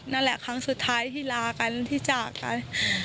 นั่นแหละครั้งสุดท้ายที่ลากันที่จากกัน